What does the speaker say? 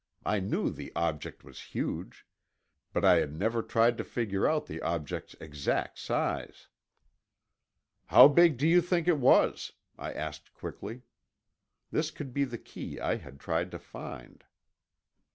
I knew the object was huge. But I had never tried to figure out the object's exact size. "How big do you think it was?" I asked quickly. This could be the key I had tried to find.